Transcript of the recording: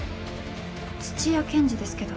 土屋検事ですけど。